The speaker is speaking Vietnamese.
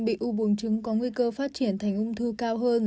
bị u buồng trứng có nguy cơ phát triển thành ung thư cao hơn